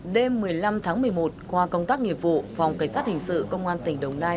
đêm một mươi năm tháng một mươi một qua công tác nghiệp vụ phòng cảnh sát hình sự công an tỉnh đồng nai